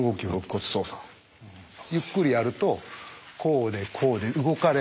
ゆっくりやるとこうでこうで動かれた。